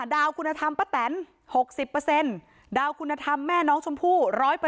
ดาวคุณธรรมป้าแตน๖๐ดาวคุณธรรมแม่น้องชมพู่๑๐๐